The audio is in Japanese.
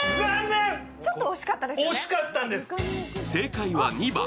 正解は２番。